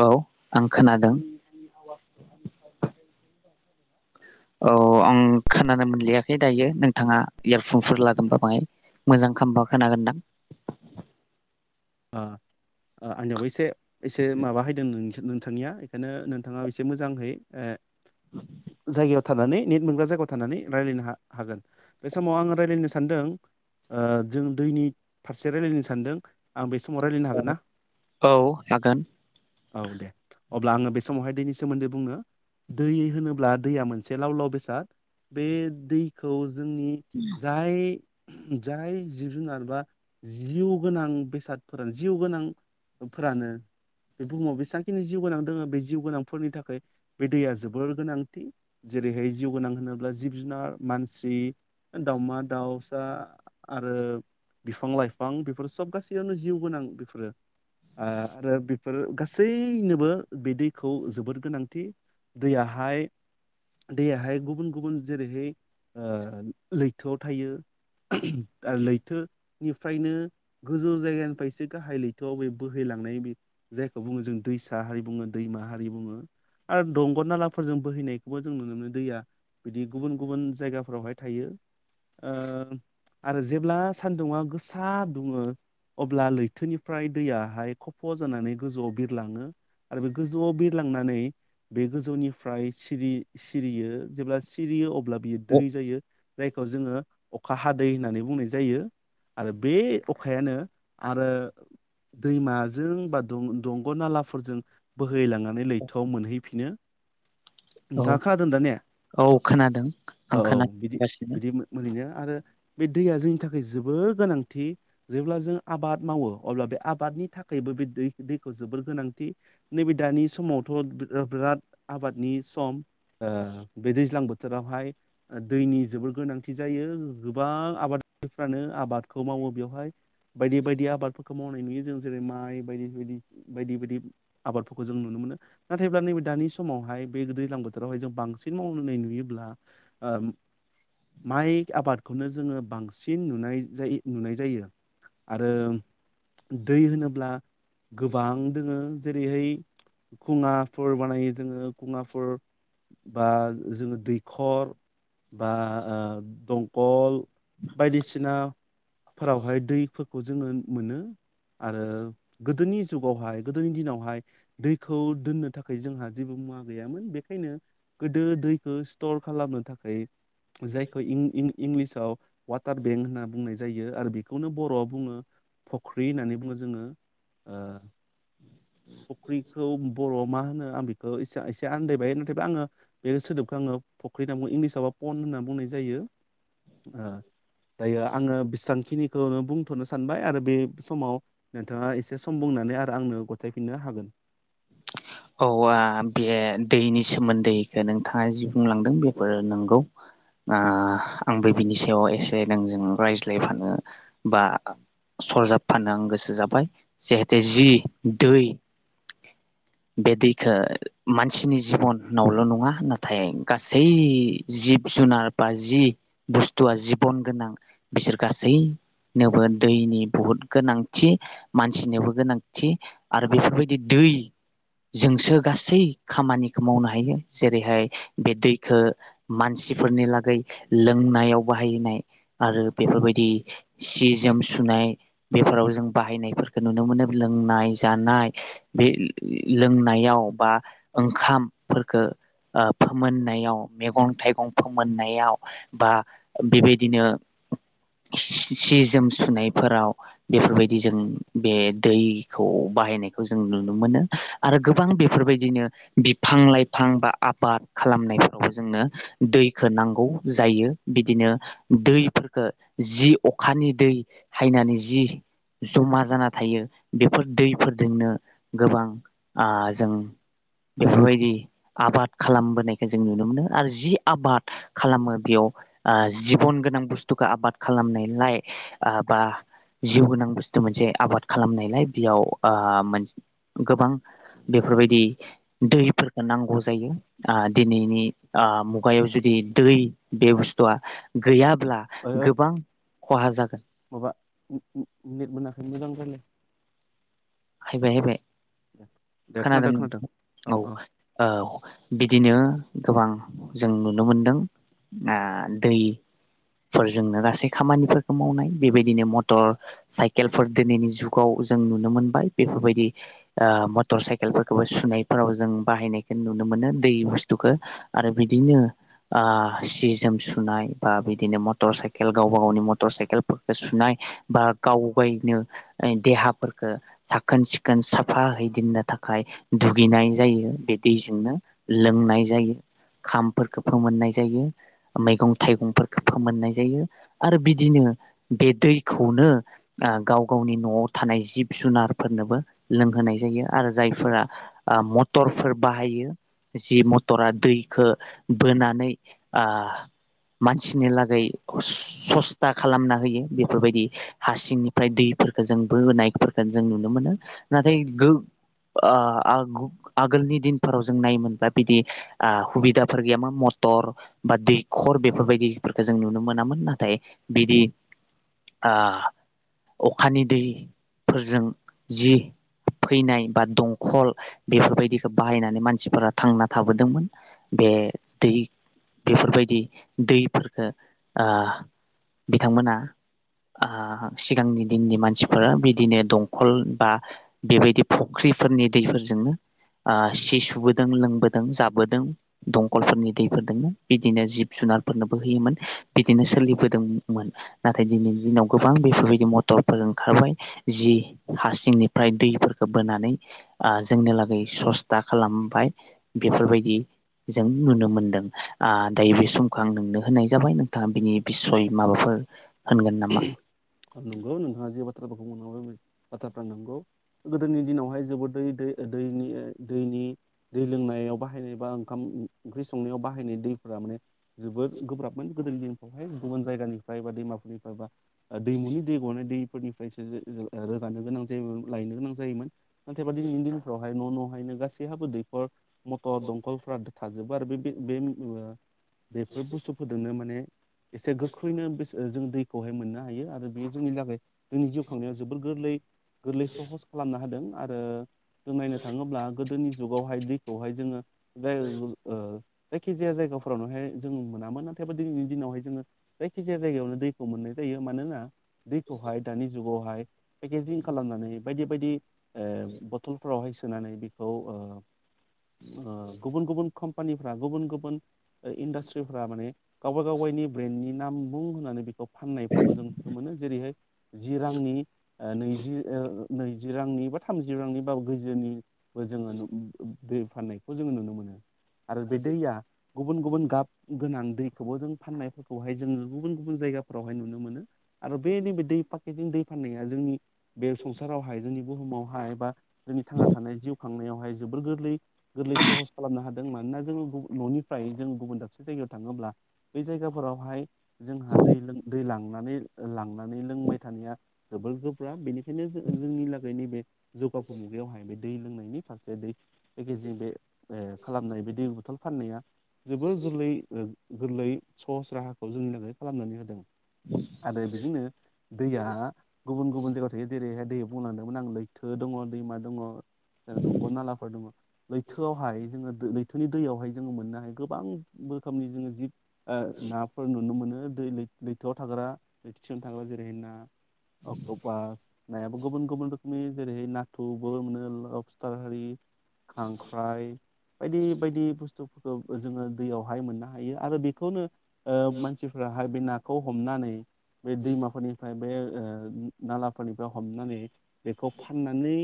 औ आं खोनादों। औ आं खोनानो मोनलियाखै दायो नोंथाङा इयारफनफोर लादोंबा बाहाय मोजां खामबा खोनागोनदां। ओ ओ आंनिआवबो एसे। एसे माबा हायदों नोंथिं। नोंथांनिया इखायनो नोंथाङा एसे मोजांहै ए जायगायाव थानानै नेट मोनग्राजा जायगायाव थानानै रायलायनो हा हागोन बे समाव आङो रायलयनो सानदों ओ जों दैनि फारसे रायजलायनो सानदों। आं बे। समाव रायलायनो हागोन ना औ हागोन औ दे। अब्ला आङो बे समावहाय दैनि सोमोन्दै बुंनो दै होनोब्ला दैया मोनसे लाव लाव बेसाद। बे दै। [unintelligible] जोंनि जाय जाय जिब जुनार बा जिउ गोनां बेसादफ्रोन जिउ गोनां ओब फोरानो बे बुहुमाव बेसांखिनि जिउ गोनां दोङो बे जिउ गोनांफोरनि थाखाय बे दैया जोबोर गोनां। जेरैहोय जिउ गोनां होनो ब्ला जिब जुनार मानसि ओ दाउमा दाउस दा आरो बिफां लाइफां बे फोर सब गासै यावनो जिउ गोनां बिफोरो ओ रो बिफोरो गासैनोबो बे दैखौ जोबोर गोनांथि दैयाहाय दैयाहाय गुबुन गुबुन जेरैहै ओ लै थोआव थायो आरो लैथो निफ्रायनो गोजौ जायगानिफाय एसे गाहाय लैथोआव बे बोहैलांनाय बि जायखौ बुङो जों दैस हा हारि बुङो दैमा हारि बुङो। आरो दंग' नालाफो फोरजों बोहैनायखौबो जों नुनो मोनो दैया बिदि गुबुन गुबुन जायगाफोरावहाय थायो। ओ आरो जेब्ला सान्दुङा गोसा दुङो अब्ला लैथोनिफ्राय दैयाहाय खफ' जानानै गोजौआव बिरलाङो आरो बे गोजौआव बिरलांनानै बे गोजौनिफ्राय सिरि सिरियो जेब्ला सिरियो अ अब्ला बियो दै जायो जायखौ जोङो अखा हादै होननानै बुंनाय जायो आरो बे अखायानो आरो दैमाजों बा दं-दंग' नालाफोरजों बोहैलांनानै लैथोआव मोनहैफिनो। औ नोंथाङा खोनादोंदा ने? औ खोनादों ओ आं औ बिदि खोनागासिनो बिदि मोनहैयो आरो बे दैया जोंनि थाखोय जोबोर गोनांथि जेब्ला जों आबाद मावो अब्ला बे आबादनि थाखायबो बे दै दैखौ जोबोर गोनांथि। नैबे दानि समावथ' बिराद आबादनि सम ओ बे दैज्लां बोथोरावहाय दैनि जोबोर गोनांथि जायो गोबां आबादारिफ्रानो आबादखौ मावो बेवहाय बायदि बायदि आबादफोरखौ मावनाय नुयो जों जेरै माइ बायदि बायदि बायदि बायदि आबादफोरखौ जों नुनो मोनो नाथायब्ला नैबे दानि समावहाय बे दैज्लां बोथोरावहाय जों बांसिन मावनाय नुयोब्ला ओ माइ आबादखौनो जोङो बांसिन नुनाय जायो नुनाय जायो। आरो दै होनोब्ला गोबां दोङो जेरैहाय खुङाफोर बानायो जोङो खुङाफोर बा जोङो दैखर बा ओ दंकल बायदिसिनाफोरावहाय दै फोरखौ जोङो मोनो आरो गोदोनि जुगावहाय गोदोनि दिनावहाय दैखौ दोननो थाखाय जोंहा जेबो मुवा गैयामोन बेखायनो गोदो दैखो स्टर खालामनो थाखाय जायखौ इं-इं इंलिसाव वाटार बेंक होनना बुंनाय जायो आरो बेखौनो बर'आव बुङो फख्रि होननानै बुङो जोङो। ओ फख्रिखौ बर'आव मा होनो आं बेखौ एसा-एसे आन्दायबाय नाथायबा आङो बे सोदोबखौ आङो फ ख्रि होनना बुङो। इंलिसावबा पन होनना बुंनाय जायो। ओ दायो आङो बेसांखिनि खौनो बुंथ'नो सानबाय आरो बे समाव नोंथाङा एसे सम बुंनानै आ आंनो ग थायफिननो हागोन। औ आ बे दैनि सोमोन्दैखौ नोंथाङा जि बुंलांदों बेफोर नंगौ। आ आंबो बिनि सायाव एसे नोंजों रायज्लायफानो बा सरजाबफानो आं गोसो जाबाय जिहेते जि दै बे दैखो मानसिनि जिबननावल' नङा नाथाय गासै जिब जुनार बा जि बुस्थुआ जिबन गोनां बिसोर गासैनोबो दैनि बहुद गोनांथि। मानसिनोबो गोनांथि आरो बेफोरबायदि दै जोंसो गासै खामानिखौ मावनो हायो जेरैहाय बे दैखो मानसिफोरनि लागै लोंनायाव बाहायनाय आरो बेफोरबायदि सि-जोम सुनाय बेफोराव जों बाहायनायफोरखौ नुनो। मोनो लोंनाय जानाय बे लोंनायाव बा ओंखामफोरखौ फोमोननायाव मेगं थाइगं फोमोननायाव बा बेबायदिनो सि-जोम सुनायफोराव बेफोरबायदि जों बे दैखौ बाहायनायखौ जों नुनो मोनो। आरो गोबां बेफोरबायदिनो बिफां लाइफां बा आबाद खालामनायफोरावबो जोंनो दैखो नांगौ जायो। बिदिनो दैफोरखो जि अखानि दै हायनानै जि जमा जाना थायो बेफोर दैफोरजोंनो गोबां आ जों बेफोरबायदि आबाद खालामबोनायखौ जों नुनो आ जों बेफोरबायदि आबाद खालामबोनायखौ जों नुनो मोनो आरो जि आबाद खालामो बेयाव आं जिबन गोनां बुस्थुखौ आबाद खालामनायलाय बा जिउ गोनां बुस्थु मोनसे आबाद खालामनायलाय बेयाव गोबां बेफोरबायदि दैफोरखौ नांगौ जायो आ दिनैनि आ मुगायाव जुदि दै बे बुस्थुआ गैया ओइ ओइ माबा उम उम नेट मोनाखै मोजां रायलाय हायबाय हाबाय खोनादों औ औ बिदिनो गोबां जों नुनो मोनदों ओ दैफोरजोंनो गासै खामानिफोरखौ मावनाय बेबायदिनो मटर साइकेलफोर दिनैनि जुगाव जों नुनो मोनबाय बेफोरबायदि ओ मटर साइकेलफोरखौबो सुनायफोराव जों बाहायनायखौ नुनो मोनो दै बुस्थुखो आरो बिदिनो आ सि-जोम सुनाय बा बिदिनो मटर साइकेल गावबा गावनि मटर साइकेलखौ सुनाय बा गाव बायनो देहाफोरखौ साखोन-सिखोन साफा हैै दोननो थाखाय दुगैनाय जायो बे दैजोंनो। लोंनाय जायो, खामफोरखौ फोमोननाय जायो, मैगं-थाइगंफोरखौ फोमोननाय जायो आरो बिदिनो बे दैखौनो आं गाव गावनि न'आव थानाय जिब-जुनार फोरनोबो लोंहोनाय जायो आरो जायफोरा आ मटरफोर बाहायो। जि मटरा दैखौ बोनानै आ मानसिनि लागै सस्था खालामना होयो बेफोरबायदि हासिंनिफ्राय दैफोरखौ जों बोनायफोरखौ जों नुनो मोनो। नाथाय गो आ आगोलनि दिनफोराव जों नायोमोनबा बिदि आ सुबिदाफोर गैयामोन मथर बा दैखर बेफोरबायदि फोरखो जों नुनो मोनामोन नाथाय बिदि ओ अखानि दैफोरजों जि फैनाय बा दंखल बेफोरबायदिखौ बाहायनानै मानसिफोरा थांना थाबोदोंमोन बे दै बेफोरबायदि दैफोरखौ ओ बिथांमोना ओ सिगांनि दिननि मानसिफोरा बिदिनो दं। खल बा बेबायदि फुख्रिफोरनि दैफोरजोंनो सि सुबुबोदों लोंबोदों जाबोदों दंखलफोरनि दैफोरजोंनो बिदिनो जिब जुनारफोरनोबो होयोमोन बिदिनो सोलिबोदोंमोन नाथाय दिनैनि दिनाव गोबां बेफोरबायदि मटरफोर ओंखारबाय जि हासिंनिफ्राय दैफोरखौ बोनानै जोंनि लागै सस्था खालामबाय बेफोरबायदि जों नुनो मोनदों दायो बे समखौ आं नोंनो होननाय जाबाय नोंथाङा बिनि बिसय माबाफोर होनगोन नामा? नंगौ नोंथांआ जि बाथ्राखौ [unintelligible] बाथ्राफ्रा नंगौ गोदोनि दिनावहाय जोबोद दै दैनि दैनि दैनि दै लोंनायाव बाहायनाय बा। ओंखाम ओंख्रि संनायाव बाहायनाय दैफोरा माने जोबोद गोब्राबमोन गोदोनि दिनफ्रावहाय गुबुन जायगानिफ्राय बा दैमाफोरनि बबा। दैमुनि दै गानाय दै फोरनिफ्रायसो जो जो रोगानो गोनां जायोमोन लायनो गोनां जायोमोन नाथायबा दिनैनि दिनफोराव न' न' नो गासै हाबो दैखर मटर दंखलफ्रा थाजोबबो आरो बे बे ओ बेफोर बुस्थुफोरजोंनो माने एसे गोख्रैनो बेसे जों दै खौहाय मोननो हायो आरो बेयो जोंनि थाखाय जोंनि जिउ खांनायाव जोबोर गोरलै गोरलै सहस खालामना होदों आरो। जों नायनो थाङोब्ला गोदोनि जुगावहाय दैखौहाय जोङो। जाय ओ जायखि जाया जायगाफोरावनोहाय जोङ मोनामोन नाथायबा दिनैनि दिनावहाय जोङो जायखि जाया जायगायावनो दै मोननाय जायो मानोना। दैखौहाय दानि जुगाव। हाय। पेकेजिं खालामनानै बायदि बायदि ओ बथलफोरावहाय सोनानै बेखौ ओ ओ गुबुन गुबुन खनिफ्रा गुबुन गुबुन ओ इडास्ट्रिफोरा माने गावबा गावगायनि ब्रेन्दनि नाम बुं होननानै बेखौ फाननायफोरखौ जों नुनो मोनो जेरैहाय जि रांनि ओ नैजि ओ नैजि रांनि बा थामजि रांनि बाव गोैजोनि बो जोङो दै फाननायखौ जोङो नुनो मोनो आरो बे दैैया गुबुन गुबुन गाब गोनां दैखौबो जों फाननायफोरखौहाय जोंङो गुबुन-गुबुन जायगा फोरावहाय नुनो मोनो आरो बे नै बे दै फा बेजों दै फाननाया जोंनि बे संसारावहाय जोंनि बुहुमावहाय बा जोंनि थांना थानाय जिउ थांनायावहाय जोबोर गोरलै गोरलै सहस खालामनो हादों मानोना जोङो न'निफ्राय जों गुबुन दाबसे जायगायाव थाङोब्ला बै जायगाफोरावहाय जोंहा दै लों दै लांनानै लांनानै लोंबाय थानाया जोबोर गोब्राब बेनिखायनो जो-जोंनि लागै नैबे जौगाफु मुगायावहाय बे दै लोंनायनि फारसे दै पेकेजिं बे बे खालामनाय बे दै बथल फाननाया जोबोर गोरलै ओ गोरलै सहस राहाखौ जोंनि लागै खालामनानै होदों आरो बिजोंनो दैया गुबुन गुबुन जायगायाव थायो जेरैहाय दैया बुंलांदोंमोन आं लैथो दङ दैमा दङ दंग' नालाफोर दङ लैथोआवहाय जोङो लैथोनि दैयावहाय जोङो मोननो हायो गोबां रोखोमनि जोङो जिब ओ नाफोर नुनो मोनो दै लै लैथोआव थाग्रा लैथि सिंङाव थाग्रा जेरैहाय ना अक्ट'पास नायाबो गुबुन गुबुन रोखोमनि जेरैहाय नाथुरबो मोनो लटारारि खांख्राइ बायदि बायदि बुस्थुफोरखौ जोङो दैयावहाय मोननो हायो आरो बेखौनो ओ मानसिफ्रा आरो बे ना खौ हमनानै बे दैमाफोरनिफ्राय बे ओ नालाफोरनिफ्राय हमनानै बेखौ फाननानै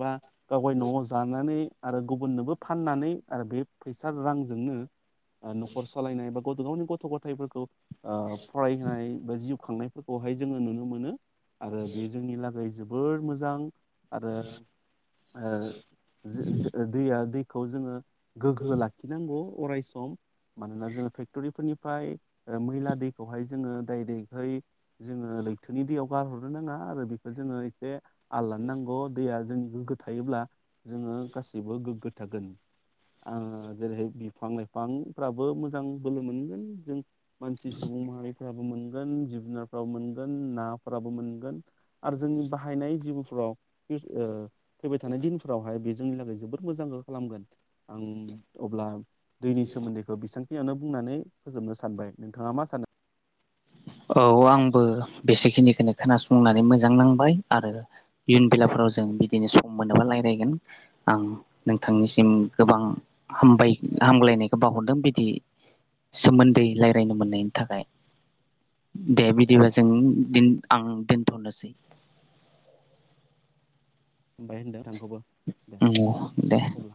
बा गावगाय न'आव जानानै आरो गुबुननोबो फाननानै आरो बे फैसा रांजोंनो ओ न'खर सालायनाय बा गावबा गावनि गथ' गथायफोरखौ- फरायहोनाय बा जिउ खांनायफोरखौहाय जोङो नुनो मोनो। आरो बे जोंनि लागै जोबो बोर मोजां आरो दैखौ जोङो गोग्गो लाखिनांगौ अराय सम मानोना जोङो फेक्टरि फोरनिफ्राय मैला दै बेवहाय जोङो डाइरेक्टहै जोङो लैथोनि दैयाव- गारहरनो नाङा आरो बेखौ जोङो एसे- थाललानो नांगौ दैया जों- गो थायोब्ला- जोङो गासिबो गोग्गो- जेरैहाय बिफां लाइफांफ्राबो मोजां बोलो मोनलै- सुबुं माहारिफोराबो मोनगोन जिब जुनारफ्राबो मोनगोन नाफोराबो मोनगोन आरो जोंनि बाहायनाय जिउफ्राव फैबाय थानाय दिनफोरावहाय बे जोंनि थाखै जोबोर मोजांखौ खालामगोन आं अब्ला दैनि सोमोन्दैखौ बेसांखिनियावनो बुंनानै फोजोबनो सानबाय नोंथाङा मा सानो औ आंबो बेसेखिनिखौनो खोनासंनानै मोजां नांबाय आरो इयुन बेलाफोराव जों बिदिनो सम मोनोबा रायज्लायगोन आं नोंथांनिसिम गोबां हामबाय हामग्लायनायखौ बावहरदों बिदि सोमोन्दै रायज्लायनो मोननायनि थाखाय। दे बिदिबा जों आं दोनथ'नोसै। [unintelligible] दे औ दे अब्ला